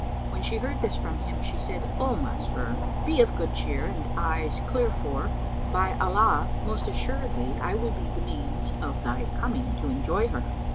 When she heard this from him, she said, "O Masrur, be of good cheer and eyes clear for, by Allah, most assuredly I will be the means of thy coming to enjoy her!"